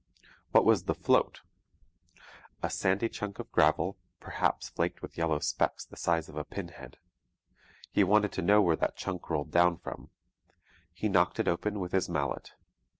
What was the 'float'? A sandy chunk of gravel perhaps flaked with yellow specks the size of a pin head. He wanted to know where that chunk rolled down from. He knocked it open with his mallet.